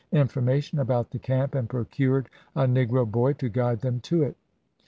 information about the camp, and procured a negro boy to guide them to it.